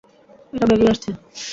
এটা বেরিয়ে আসছে।